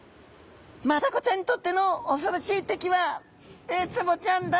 マダコちゃんにとっての恐ろしい敵はウツボちゃんだ！」